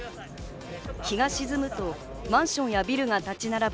日が沈むとマンションやビルが立ち並ぶ